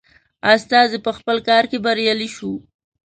استازی په خپل کار کې بریالی شوی.